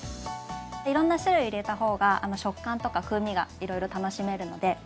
いろんな種類入れた方が食感とか風味がいろいろ楽しめるので。